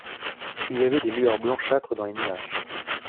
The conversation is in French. Il y avait des lueurs blanchâtres dans les nuages.